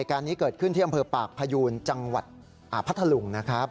การนี้เกิดขึ้นที่อำเภอปากพยูนจังหวัดพัทธลุงนะครับ